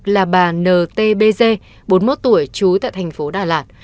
là bà n t b g bốn mươi một tuổi trúi tại thành phố đà lạt